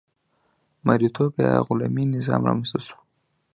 مرئیتوب یا غلامي نظام رامنځته شو.